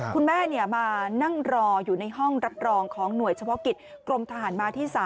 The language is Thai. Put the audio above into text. คุณแม่มานั่งรออยู่ในห้องรับรองของหน่วยเฉพาะกิจกรมทหารมาที่๓